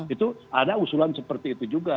itu ada usulan seperti itu juga